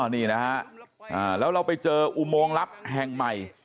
นี่นะฮะแล้วเราไปเจออุโมงลับแห่งใหม่